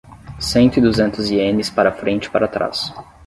Cento e duzentos ienes para frente e para trás